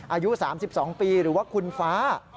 อายุ๓๒ปีหรือว่าคุณฟ้า